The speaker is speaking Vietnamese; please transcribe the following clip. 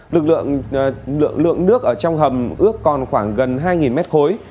lực lượng nước ở trong hầm ước còn khoảng gần hai nghìn m khối